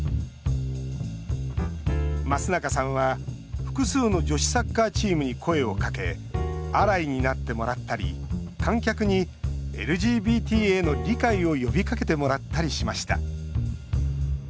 松中さんは複数の女子サッカーチームに声をかけアライになってもらったり観客に、ＬＧＢＴへの理解を呼びかけてもらったりしました。